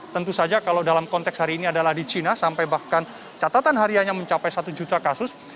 tentu saja kalau dalam konteks hari ini adalah di china sampai bahkan catatan harianya mencapai satu juta kasus